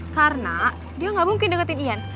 karena dia gak mungkin deketin ian